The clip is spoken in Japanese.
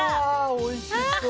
おいしそう。